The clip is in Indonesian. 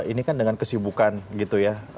ini kan dengan kesibukan gitu ya